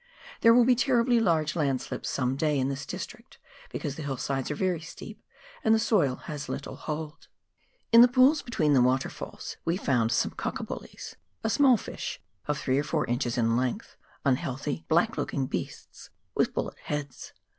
There will be terribly large landslips some day in this district, because the hillsides are very steep and the soil has little hold. In the pools between the waterfalls, we found some " Cock a buUies," a small fish of three or four inches in length — unhealthy, black looking beasts, with bullet heads.